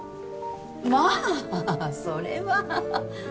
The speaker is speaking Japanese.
まぁそれは。